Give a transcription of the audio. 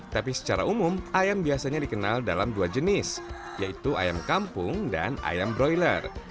tapi secara umum ayam biasanya dikenal dalam dua jenis yaitu ayam kampung dan ayam broiler